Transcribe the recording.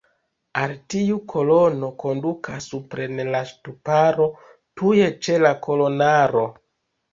Al tiu kolono kondukas supren la ŝtuparo tuj ĉe la kolonaro.